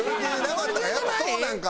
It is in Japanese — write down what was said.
やっぱそうなんか。